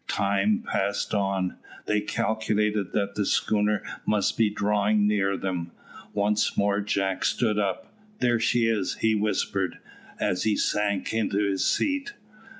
Time passed on. They calculated that the schooner must be drawing near them. Once more Jack stood up. "There she is," he whispered, as he sank into his seat.